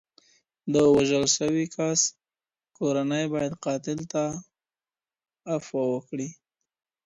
د وژل سوي کس کورنۍ بايد قاتل ته عفو وکړي.